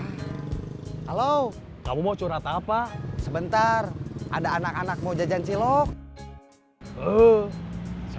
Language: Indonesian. halo kamu mau curhat apa sebentar ada anak anak mau jajan cilok